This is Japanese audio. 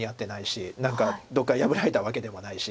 何かどっか破られたわけでもないし。